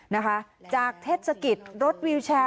นะคะจากเทศกิจรถวิวแชร์